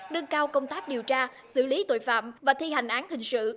đơn cao công tác điều tra xử lý tội phạm và thi hành án hình sự